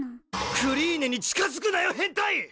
クリーネに近づくなよ変態！